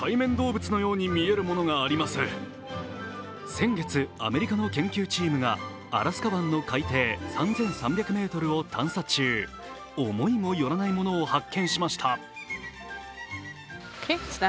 先月、アメリカの研究チームが、アラスカ湾の海底３５００ｍを探査中、思いもよらないものを発見しました。